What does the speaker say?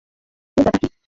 ওর ব্যাপারে কী?